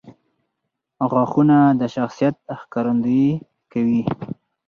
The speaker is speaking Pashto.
• غاښونه د شخصیت ښکارندویي کوي.